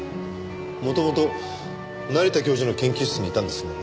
もともと成田教授の研究室にいたんですもんね。